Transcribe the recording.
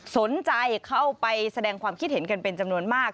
สนใจเข้าไปแสดงความคิดเห็นกันเป็นจำนวนมาก